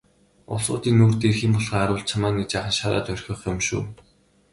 Улсуудын нүүр дээр хэн болохоо харуулж чамайг нэг жаахан шараад орхих юм шүү.